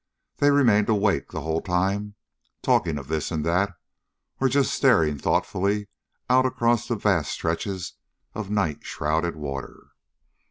They remained awake the whole time talking of this and that, or just staring thoughtfully out across the vast stretches of night shrouded water.